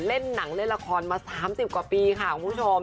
เล่นหนังเล่นละครมา๓๐กว่าปีค่ะคุณผู้ชม